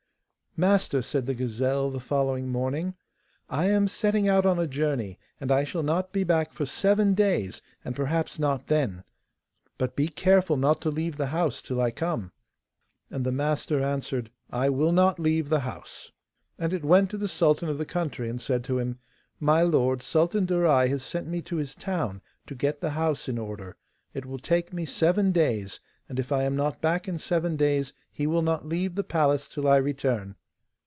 'Master,' said the gazelle the following morning, 'I am setting out on a journey, and I shall not be back for seven days, and perhaps not then. But be careful not to leave the house till I come.' And the master answered, 'I will not leave the house.' And it went to the sultan of the country and said to him: 'My lord, Sultan Darai has sent me to his town to get the house in order. It will take me seven days, and if I am not back in seven days he will not leave the palace till I return.